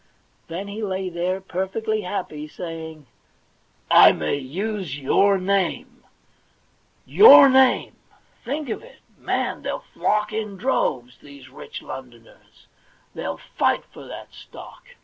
Then he lay there, perfectly happy, saying :* I may use your name ! Your name — think of it ! Man, they'll flock in droves, these rich Lon doners ; they'll fight for that stock